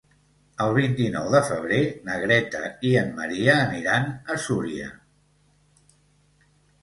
El vint-i-nou de febrer na Greta i en Maria aniran a Súria.